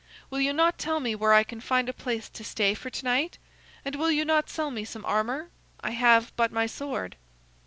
Will you not tell me where I can find a place to stay for to night? And will you not sell me some armor? I have but my sword."